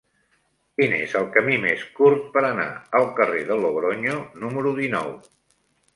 Quin és el camí més curt per anar al carrer de Logronyo número dinou?